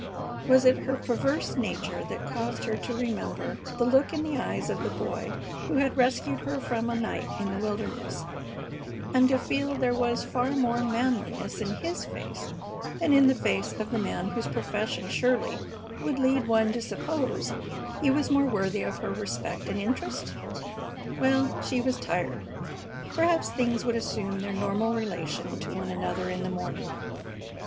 Was it her perverse nature that caused her to remember the look in the eyes of the Boy who had rescued her from a night in the wilderness, and to feel there was far more manliness in his face than in the face of the man whose profession surely would lead one to suppose he was more worthy of her respect and interest? Well, she was tired. Perhaps things would assume their normal relation to one another in the morning.